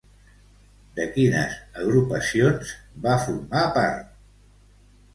De quines agrupacions va formar part?